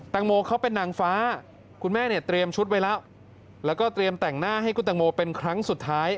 แตงโมเขาเป็นนางฟ้าคุณแม่เนี่ยเตรียมชุดไว้แล้วแล้วก็เตรียมแต่งหน้าให้คุณตังโมเป็นครั้งสุดท้าย